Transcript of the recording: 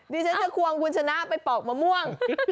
ดิฉันจะควงคุณชนะไปปอกมะม่วง